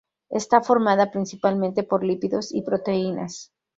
Está formada principalmente por lípidos y proteínas.